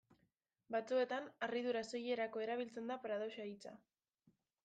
Batzuetan, harridura soilerako erabiltzen da paradoxa hitza.